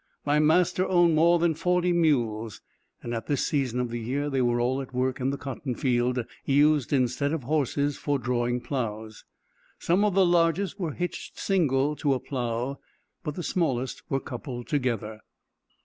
My master owned more than forty mules, and at this season of the year, they were all at work in the cotton field, used instead of horses for drawing ploughs. Some of the largest were hitched single to a plough; but the smallest were coupled together.